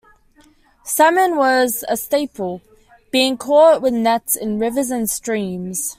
Salmon was a staple, being caught with nets in rivers and streams.